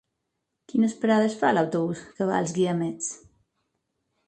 Quines parades fa l'autobús que va als Guiamets?